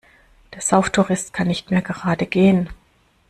Der Sauftourist kann nicht mehr gerade gehen.